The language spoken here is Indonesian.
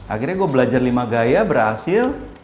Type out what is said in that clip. akhirnya gue belajar lima gaya berhasil